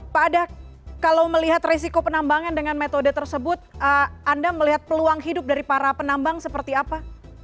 pak ada kalau melihat risiko penambangan dengan metode tersebut anda melihat peluang hidup dari para penambang seperti apa